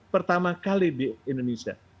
pertama kali di indonesia